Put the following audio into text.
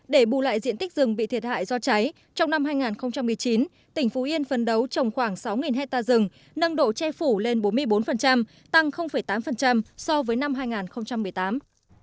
để bù lại diện tích rừng bị thiệt hại do cháy trong năm hai nghìn một mươi chín tỉnh phú yên phấn đấu trồng khoảng sáu hectare rừng nâng độ che phủ lên bốn mươi bốn tăng tám so với năm hai nghìn một mươi tám